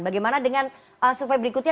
bagaimana dengan survei berikutnya